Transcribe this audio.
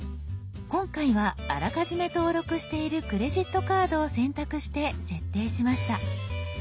今回はあらかじめ登録しているクレジットカードを選択して設定しました。